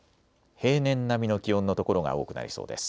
平年並みの気温の所が多くなりそうです。